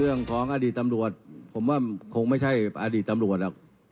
เรื่องของอดีตตำรวจผมว่าคงไม่ใช่อดีตตำรวจหรอก